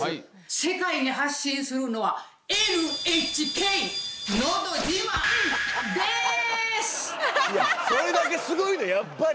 世界に発信するのはいやそれだけすごいのやっぱり。